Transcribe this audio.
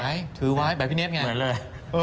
นึกถือไว้แบบพี่เนทไง